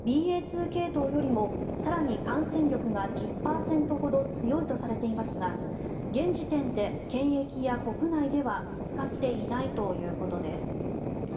２系統よりも更に感染力が１０％ほど強いとされていますが現時点で検疫や国内では見つかっていないということです。